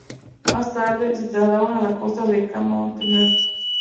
Más tarde, se trasladaron a la costa de Can Muntaner.